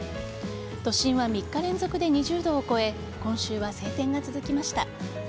都心は３日連続で２０度を超え今週は晴天が続きました。